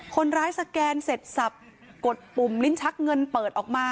สแกนเสร็จสับกดปุ่มลิ้นชักเงินเปิดออกมา